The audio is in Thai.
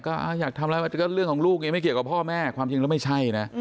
ก็อยากทำอะไรมันก็เรื่องของลูกไงไม่เกี่ยวกับพ่อแม่ความจริงแล้วไม่ใช่นะ